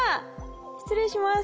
失礼します。